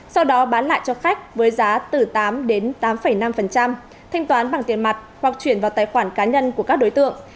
sau đó bán lại cho khách với giá từ tám đến tám năm thanh toán bằng tiền mặt hoặc chuyển vào tài khoản cá nhân của các đối tượng